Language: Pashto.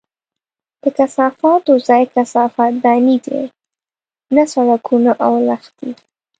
د کثافاتو ځای کثافت دانۍ دي، نه سړکونه او لښتي!